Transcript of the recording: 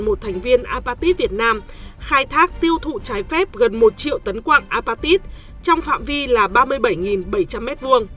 một thành viên apatit việt nam khai thác tiêu thụ trái phép gần một triệu tấn quạng apatit trong phạm vi là ba mươi bảy bảy trăm linh m hai